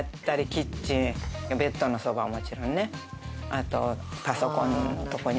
あと。